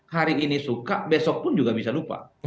hari ini suka besok pun juga bisa lupa